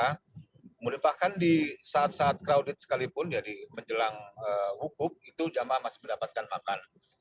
kemudian bahkan di saat saat crowded sekalipun ya di menjelang wukuf itu jamaah masih mendapatkan makan